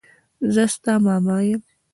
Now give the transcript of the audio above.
زه ستا ماما يم.